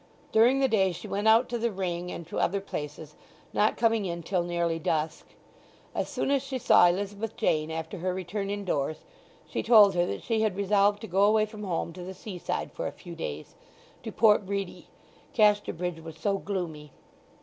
During the day she went out to the Ring and to other places, not coming in till nearly dusk. As soon as she saw Elizabeth Jane after her return indoors she told her that she had resolved to go away from home to the seaside for a few days—to Port Bredy; Casterbridge was so gloomy.